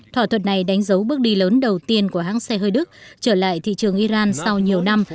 thỏa thuận này đánh dấu bước đi lớn đầu tiên của hãng xe hơi đức trở lại thị trường iran sau nhiều năm